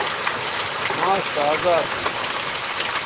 ماس تازا تھو